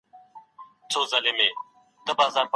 تاسو د کومې څېړني ملاتړ کوئ؟